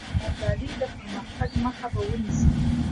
د ابدالي د پرمختګ مخه به ونیسي.